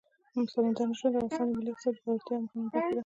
سمندر نه شتون د افغانستان د ملي اقتصاد د پیاوړتیا یوه مهمه برخه ده.